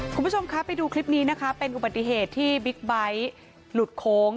คุณผู้ชมคะไปดูคลิปนี้นะคะเป็นอุบัติเหตุที่บิ๊กไบท์หลุดโค้ง